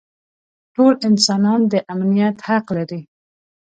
ټول انسانان د امنیت حق لري.